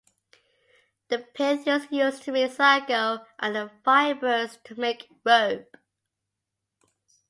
The pith is used to make sago, and the fibres to make rope.